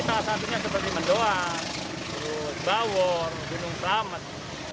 salah satunya seperti mendoan bawor gunung klamet